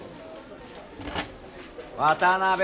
渡辺。